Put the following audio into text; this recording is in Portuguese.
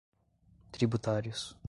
tributários